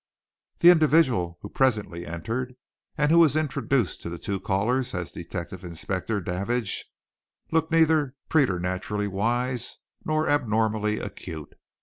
The individual who presently entered and who was introduced to the two callers as Detective Inspector Davidge looked neither preternaturally wise nor abnormally acute.